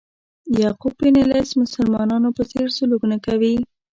یعقوب بن لیث مسلمانانو په څېر سلوک نه کوي.